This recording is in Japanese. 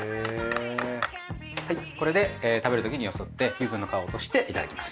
はいこれで食べるときによそってゆずの葉を落としていただきます。